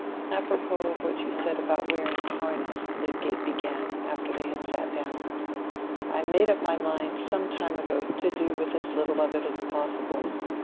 "Apropos of what you said about wearing harness," Lydgate began, after they had sat down, "I made up my mind some time ago to do with as little of it as possible.